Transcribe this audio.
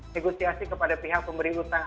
negosiasi kepada pihak pemberi utang